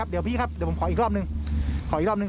เดี๋ยวพี่ครับผมขออีกรอบหนึ่ง